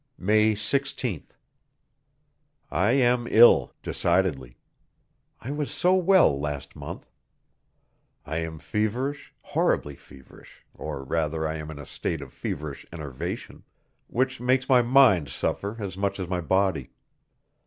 May 16th. I am ill, decidedly! I was so well last month! I am feverish, horribly feverish, or rather I am in a state of feverish enervation, which makes my mind suffer as much as my body.